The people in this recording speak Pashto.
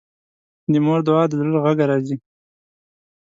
د مور دعا د زړه له غږه راځي